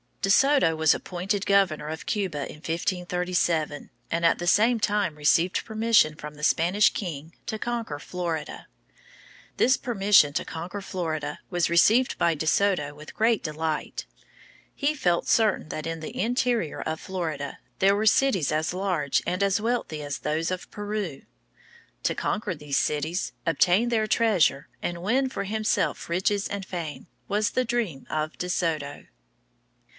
] De Soto was appointed governor of Cuba in 1537, and at the same time received permission from the Spanish king to conquer Florida. This permission to conquer Florida was received by De Soto with great delight. He felt certain that in the interior of Florida there were cities as large and as wealthy as those of Peru. To conquer these cities, obtain their treasure, and win for himself riches and fame, was the dream of De Soto.